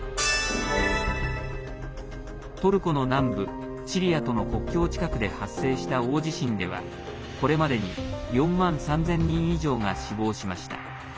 トルコの南部、シリアとの国境近くで発生した大地震ではこれまでに４万３０００人以上が死亡しました。